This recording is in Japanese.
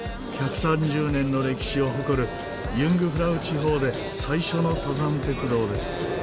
１３０年の歴史を誇るユングフラウ地方で最初の登山鉄道です。